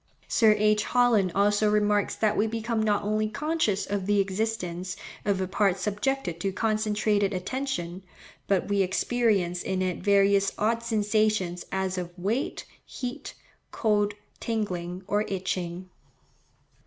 Sir H. Holland also remarks that we become not only conscious of the existence of a part subjected to concentrated attention, but we experience in it various odd sensations as of weight, heat, cold, tingling, or itching.